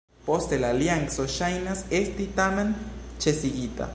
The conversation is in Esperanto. Poste, la alianco ŝajnas estis tamen ĉesigita.